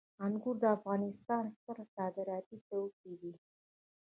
انګور د افغانستان ستر صادراتي توکي دي